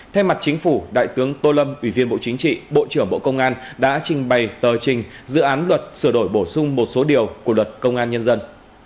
thay mặt chính phủ đại tướng tô lâm ủy viên bộ chính trị bộ trưởng bộ công an đã trình bày tờ trình dự án luật sửa đổi bổ sung một số điều của luật công an nhân dân